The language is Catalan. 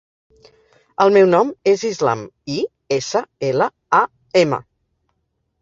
El meu nom és Islam: i, essa, ela, a, ema.